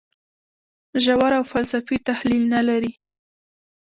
ژور او فلسفي تحلیل نه لري.